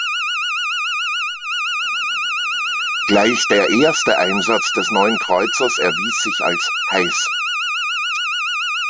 Gleich der erste Einsatz des neuen Kreuzers erwies sich als „heiß“.